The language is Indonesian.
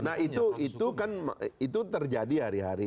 nah itu kan itu terjadi hari hari